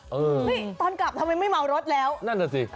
เฮ้ยตอนกลับทำไมไม่เมารถแล้วนั่นน่ะสิ